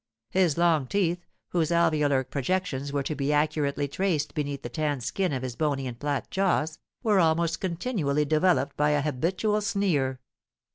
His long teeth, whose alveolar projections were to be accurately traced beneath the tanned skin of his bony and flat jaws, were almost continually developed by a habitual sneer.